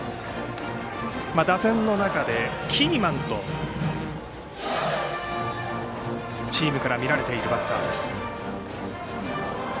打線の中でキーマンとチームからみられているバッター。